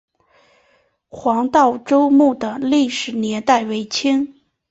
黄道周墓的历史年代为清。